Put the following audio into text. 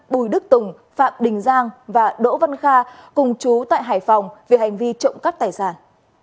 bùi đức tùng phạm đình giang và đỗ văn kha cùng chú tại hải phòng về hành vi trộm cắp tài sản